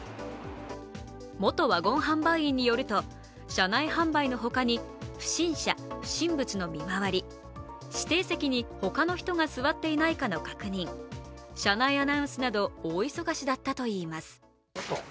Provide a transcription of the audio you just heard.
元ワゴン販売員によると、車内販売の他に不審者・不審物の見回り、指定席に他の人が座っていないかの確認、車内アナウンスなど、大忙しだったといいます。